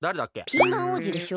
ピーマン王子でしょ。